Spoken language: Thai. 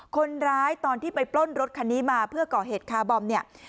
ตอนที่ไปปล้นรถคันนี้มาเพื่อก่อเหตุคาร์บอมเนี่ย